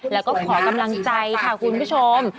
แล้วก็ขอกำลังใจค่ะคุณผู้ชม